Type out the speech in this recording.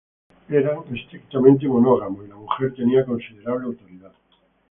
Eran estrictamente monógamos, y la mujer tenía considerable autoridad.